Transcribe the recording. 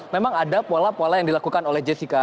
memang ada pola pola yang dilakukan oleh jessica